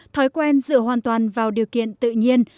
thói quen dựa hoàn toàn vào điều kiện tự nhiên